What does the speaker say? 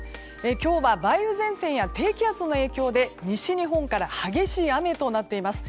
今日は梅雨前線や低気圧の影響で西日本から激しい雨となっています。